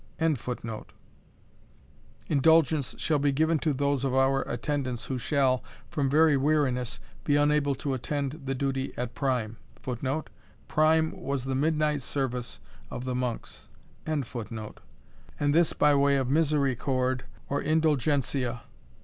] indulgence shall be given to those of our attendants who shall, from very weariness, be unable to attend the duty at prime, [Footnote: Prime was the midnight service of the monks.] and this by way of misericord or _indulgentia.